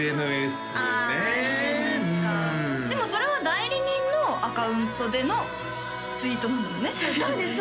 あＳＮＳかでもそれは代理人のアカウントでのツイートそうです